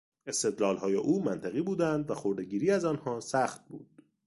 استدلالهای او منطقی بودند و خردهگیری از آنها سخت بود.